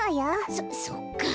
そそっかあ。